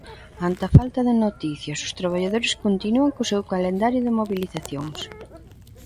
Ante a falta de noticias os traballadores continúan co seu calendario de mobilizacións.